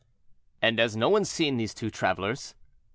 "And has no one seen these two travelers?"